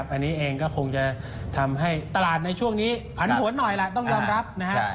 อันนี้เองก็คงจะทำให้ตลาดในช่วงนี้ผันผวนหน่อยล่ะต้องยอมรับนะฮะ